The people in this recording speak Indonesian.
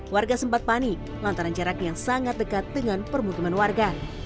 warga sempat panik lantaran jaraknya sangat dekat dengan permutuman warga